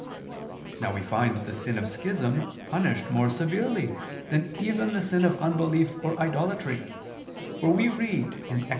Now we find the sin of schism punished more severely than even the sin of unbelief or idolatry: for we read (Ex.